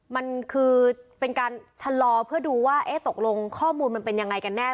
มันคือเป็นการชะลอเพื่อดูว่าเอ๊ะตกลงข้อมูลมันเป็นยังไงกันแน่